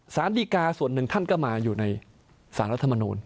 ศาลดีการ์ส่วนหนึ่งท่านก็มาอยู่ในศาลลำนูน